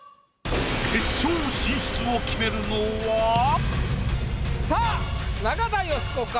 決勝進出を決めるのは⁉さあ中田喜子か？